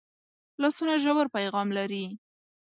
لاسونه ژور پیغام لري